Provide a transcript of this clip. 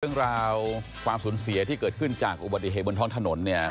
เรื่องราวความสูญเสียที่เกิดขึ้นจากอุบัติเหตุบนท้องถนนเนี่ย